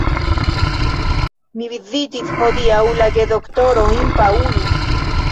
Mi vizitis hodiaŭ la gedoktorojn Paulus.